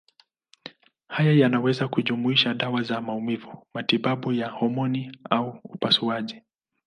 Haya yanaweza kujumuisha dawa za maumivu, matibabu ya homoni au upasuaji.